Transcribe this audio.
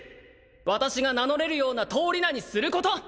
私が名乗れるような通り名にすること！